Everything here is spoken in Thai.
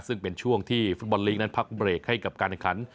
ซึ่งเป็นช่วงที่ฟุตบอลลีกนั้นพักเบรกให้กับการแข่งขัน